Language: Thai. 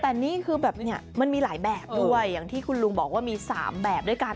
แต่นี่คือแบบเนี่ยมันมีหลายแบบด้วยอย่างที่คุณลุงบอกว่ามี๓แบบด้วยกัน